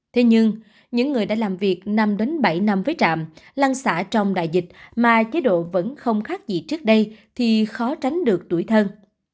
thế nhưng những người đã làm việc năm bảy năm với trạm lăng xã trong đại dịch mà chế độ vẫn không khác gì trước đây thì khó tránh được tuổi thân